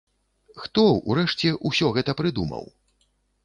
Хто, урэшце, усё гэта прыдумаў?